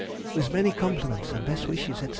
With many compliments and best wishes, &c.